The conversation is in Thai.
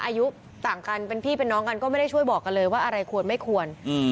อายุต่างกันเป็นพี่เป็นน้องกันก็ไม่ได้ช่วยบอกกันเลยว่าอะไรควรไม่ควร